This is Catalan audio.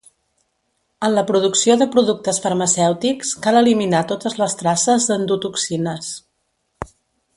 En la producció de productes farmacèutics cal eliminar totes les traces d'endotoxines.